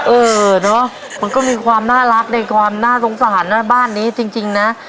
เออเนอะมันก็มีความน่ารักในความน่าสงสารนะบ้านนี้จริงนะ